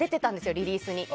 リリースに。